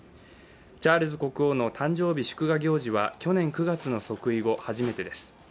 チャールズ国王の誕生日祝賀行事は去年９月の即位後、初めてです。